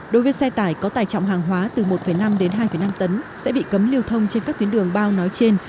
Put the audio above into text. đối với xe tải có tài trọng hàng hóa từ một năm đến hai năm tấn sẽ bị cấm lưu thông trên các tuyến đường bao nói trên